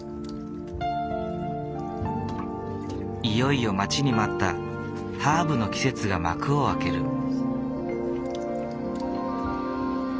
いよいよ待ちに待ったハーブの季節が幕を開ける。